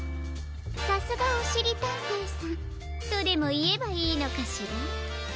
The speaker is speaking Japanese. さすがおしりたんていさんとでもいえばいいのかしら？